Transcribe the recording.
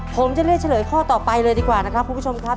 ผมจะเลือกเฉลยข้อต่อไปเลยดีกว่านะครับคุณผู้ชมครับ